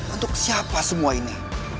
untuk siapa semua ini